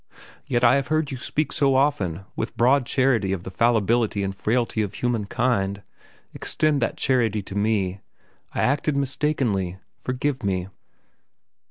Yet I have heard you speak so often with broad charity of the fallibility and frailty of humankind. Extend that charity to me. I acted mistakenly. Forgive me."